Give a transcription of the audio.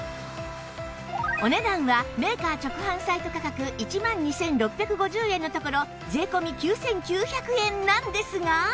お値段はメーカー直販サイト価格１万２６５０円のところ税込９９００円なんですが